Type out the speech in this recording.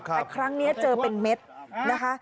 แต่ครั้งนี้เจอเป็นเม็ดนะคะ